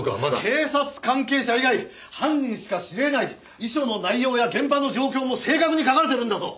警察関係者以外犯人しか知り得ない遺書の内容や現場の状況も正確に書かれているんだぞ。